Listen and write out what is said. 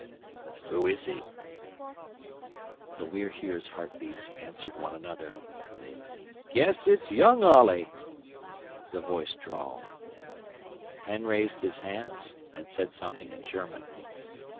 "Who is he?" The We're Here's heart beats answered one another. "Guess it's young Olley," the voice drawled. Penn raised his hands and said something in German.